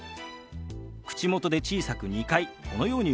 口元で小さく２回このように動かします。